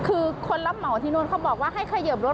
คือคนรับหม่อที่โน้นเขาบอกว่าให้ขยบรถ